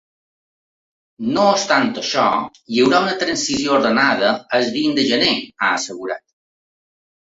“No obstant això, hi haurà una transició ordenada el vint de gener”, ha assegurat.